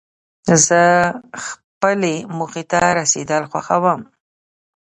زه خپلې موخي ته رسېدل خوښوم.